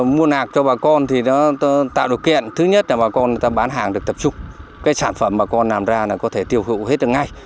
mua nạc cho bà con thì nó tạo điều kiện thứ nhất là bà con người ta bán hàng được tập trung cái sản phẩm bà con làm ra là có thể tiêu hữu hết được ngay